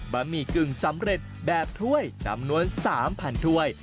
หมี่กึ่งสำเร็จแบบถ้วยจำนวน๓๐๐ถ้วย